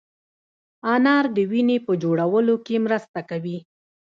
انار د وینې په جوړولو کې مرسته کوي.